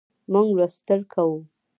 موږ لوستل کوو